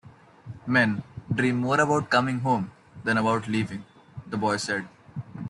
"Men dream more about coming home than about leaving," the boy said.